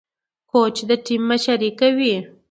کوچ د ټيم مشري کوي.